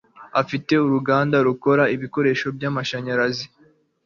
Afite uruganda rukora ibikoresho byamashanyarazi.